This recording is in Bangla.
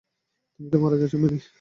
তুমি তো মারা গেছো, ম্যানি?